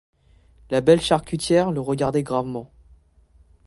La belle charcutière le regardait gravement.